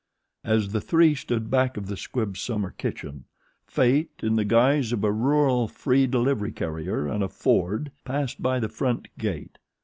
As the three stood back of the Squibbs' summer kitchen Fate, in the guise of a rural free delivery carrier and a Ford, passed by the front gate.